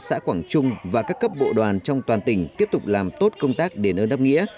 xã quảng trung và các cấp bộ đoàn trong toàn tỉnh tiếp tục làm tốt công tác đền ơn đáp nghĩa